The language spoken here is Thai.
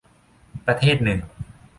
ประเทศหนึ่ง